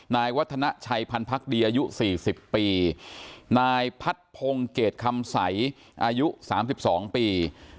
นายวัฒนาชัยพันธ์ดีอายุ๔๐ปีนายพัดพงศ์เกรดคำใสอายุ๓๒ปี